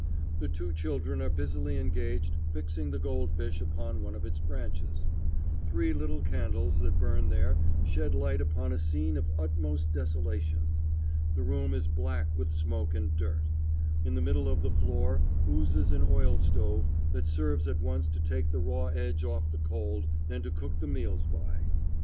The two children are busily engaged fixing the goldfish upon one of its branches. Three little candles that burn there shed light upon a scene of utmost desolation. The room is black with smoke and dirt. In the middle of the floor oozes an oil stove that serves at once to take the raw edge off the cold and to cook the meals by.